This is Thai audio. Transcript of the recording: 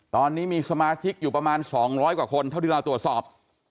ตอนนี้มีสมาชิกอยู่ประมาณ๒๐๐กว่าคนเท่าที่เราตรวจสอบ